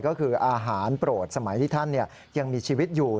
ก็คืออาหารโปรดสมัยที่ท่านยังมีชีวิตอยู่